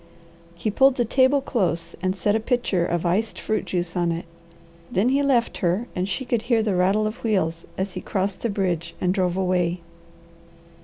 He pulled the table close and set a pitcher of iced fruit juice on it. Then he left her and she could hear the rattle of wheels as he crossed the bridge and drove away.